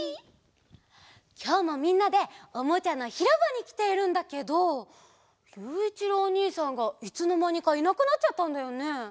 きょうもみんなでおもちゃのひろばにきているんだけどゆういちろうおにいさんがいつのまにかいなくなっちゃったんだよね。